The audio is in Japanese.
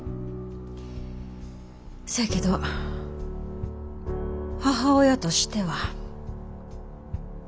そやけど母親としては。